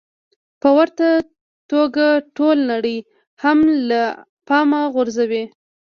په ورته توګه ټوله نړۍ هم له پامه غورځوي.